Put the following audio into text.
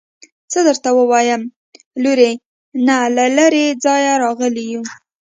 څه درته ووايم لورې نه له لرې ځايه راغلي يو.